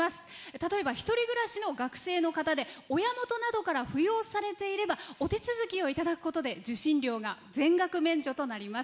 例えば１人暮らしの学生の方で親元などから扶養されていればお手続きをいただくことで受信料が全額免除になります。